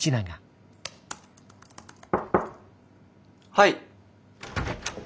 はい。